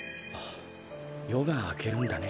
よがあけるんだね。